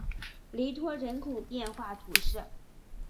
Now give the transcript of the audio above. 雷托人口变化图示